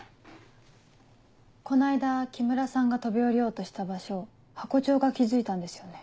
この間木村さんが飛び降りようとした場所ハコ長が気付いたんですよね。